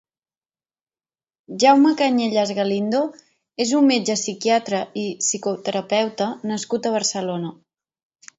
Jaume Cañellas Galindo és un metge psiquiatra i psicoterapeuta nascut a Barcelona.